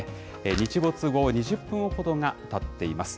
日没後２０分ほどがたっています。